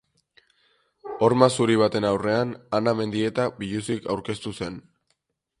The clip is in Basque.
Horma zuri baten aurrean, Ana Mendieta biluzik aurkeztu zen.